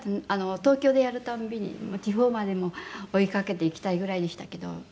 東京でやるたびにもう地方までも追いかけていきたいぐらいでしたけど。